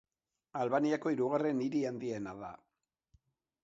Albaniako hirugarren hiri handiena da.